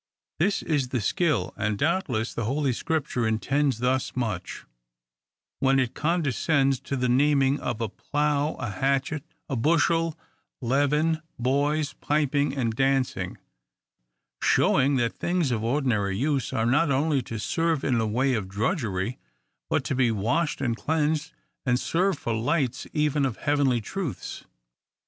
— This is the skill, and doubtless the holy scripture intends thus much, when it condescends to the naming of a plough, a hatchet, a bushel, leaven, boys piping and dancing ; shewing that things of ordinary use are not only to serve in the way of drudgery, but to be washed and cleansed, and serve for lights even of heavenly truths.